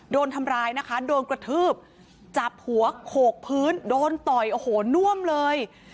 โดนทำร้ายนะคะโดนกระทืบจับหัวโขกพื้นโดนต่อยโอ้โหน่วมเลย